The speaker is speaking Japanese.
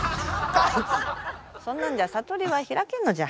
そんなんじゃ悟りは開けんのじゃ。